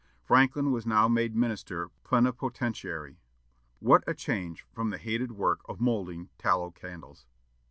Franklin was now made minister plenipotentiary. What a change from the hated work of moulding tallow candles!